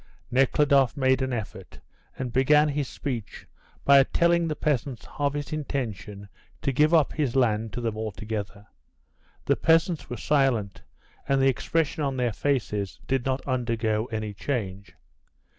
Nekhludoff made an effort, and began his speech by telling the peasants of his intention to give up his land to them altogether. The peasants were silent, and the expression on their faces did not undergo any change.